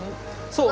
そう。